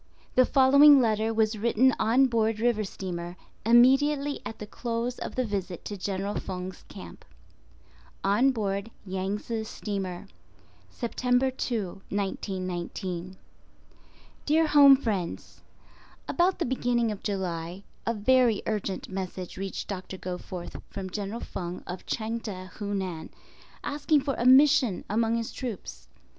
* (The following letter was written on board river steamer immediately at the close of the visit to General Feng's camp.) On Board Yangtze Steamer, September 2, 1919. Dear Home Friends: About the beginning of July, a very urgent message reached Doctor Goforth from General Feng of Chang teh, Hunan, asking for a "mission" among his troops.